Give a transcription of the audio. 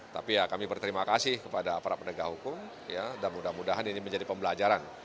tapi ya kami berterima kasih kepada para penegak hukum dan mudah mudahan ini menjadi pembelajaran